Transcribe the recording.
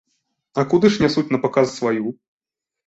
А куды ж нясуць напаказ сваю?